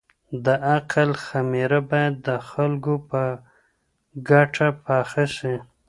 د عقل خميره بايد د خلګو په ګټه پخه سي.